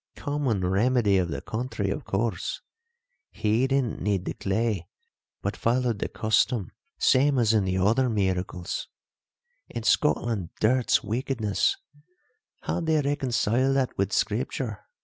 Common remedyof the country, of course. He didn't need the clay, but followed the custom, same as in the other miracles. In Scotland dirt's wickedness how'd they reconcile that with Scripture?